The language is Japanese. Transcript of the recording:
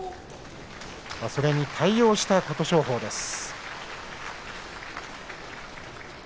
それに対応した琴勝峰です。